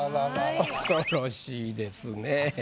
恐ろしいですね。